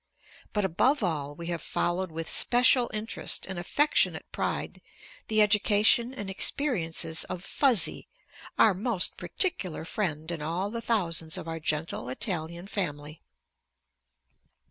But above all we have followed with special interest and affectionate pride the education and experiences of Fuzzy, our most particular friend in all the thousands of our gentle Italian family.